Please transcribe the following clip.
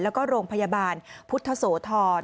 แล้วก็โรงพยาบาลพุทธโสธร